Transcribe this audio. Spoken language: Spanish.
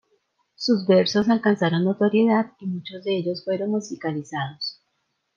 Sus versos alcanzaron notoriedad y muchos de ellos fueron musicalizados.